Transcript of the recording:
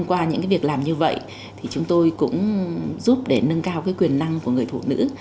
qua những việc làm như vậy thì chúng tôi cũng giúp để nâng cao quyền năng của người phụ nữ